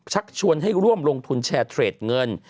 ชักชวนให้ร่วมลงทุนแชร์เทรดเงิน